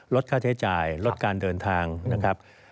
ลดค่าใช้จ่ายลดการเดินทางนะครับ